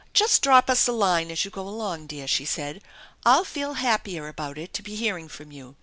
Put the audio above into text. "Just drop us a line as you go along, dear," she said. " I'll feel happier about it to be hearing from you.